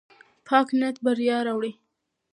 پاک نیت بریا راوړي.